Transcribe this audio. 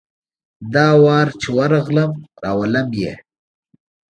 دا وار چي ورغلم ، راولم یې .